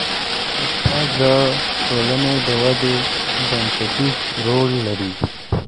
استاد د ټولنې د ودې بنسټیز رول لري.